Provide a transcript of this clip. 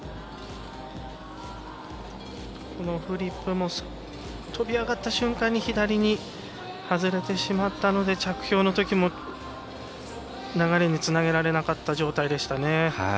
このフリップも飛び上がった瞬間に左に外れてしまったので着氷のときも、流れにつなげられなかった状態ですね。